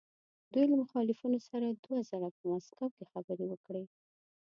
دوی له مخالفینو سره دوه ځله په مسکو کې خبرې وکړې.